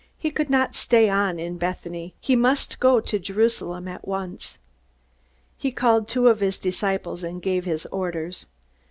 He could not stay on in Bethany. He must go to Jerusalem at once. He called two of his disciples and gave his orders.